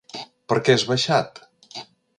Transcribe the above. Per què has baixat?